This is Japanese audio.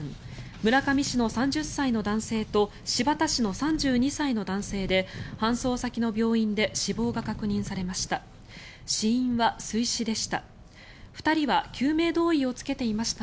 村上市の３０歳の男性と新発田市の３２歳の男性で搬送先の病院で死亡が確認されました。